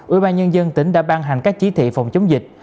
ủy ban nhân dân tỉnh đã ban hành các chỉ thị phòng chống dịch